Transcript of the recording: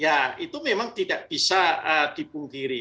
ya itu memang tidak bisa dipungkiri